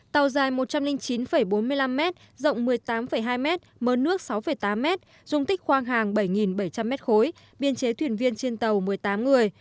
tàu dài một trăm linh chín bốn mươi năm m rộng một mươi tám hai m m nước sáu tám m dung tích khoang hàng bảy bảy trăm linh m khối biên chế thuyền viên trên tàu một mươi tám người